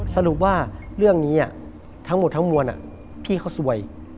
สรุปว่าเรื่องนี้ทั้งหมดทั้งมวลพี่เขาสวย